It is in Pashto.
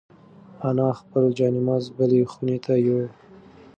انا خپل جاینماز بلې خونې ته یووړ.